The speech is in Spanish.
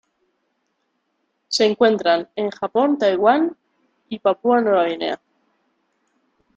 Se encuentran en Japón, Taiwán y Papúa Nueva Guinea.